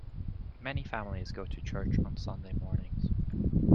Many families go to church on Sunday mornings.